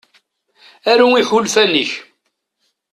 Aru iḥulfan-ik.